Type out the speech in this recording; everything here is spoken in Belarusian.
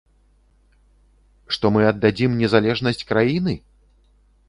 Што мы аддадзім незалежнасць краіны?